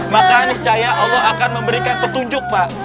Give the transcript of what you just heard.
maka anies cahaya allah akan memberikan petunjuk pak